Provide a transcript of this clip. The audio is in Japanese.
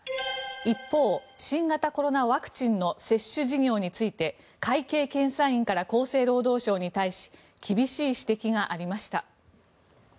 一方、新型コロナワクチンの接種事業について会計検査院から厚生労働省に対し厳しい指摘がありました。